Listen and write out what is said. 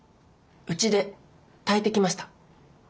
うちで炊いてきました。